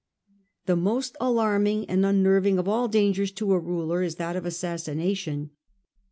The most alarming and un nerving of all dangers to a ruler is that of assassina tion.